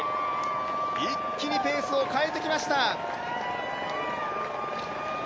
一気にペースを変えてきました！